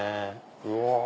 うわ。